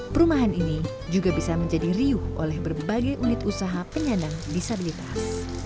perumahan ini juga bisa menjadi riuh oleh berbagai unit usaha penyandang disabilitas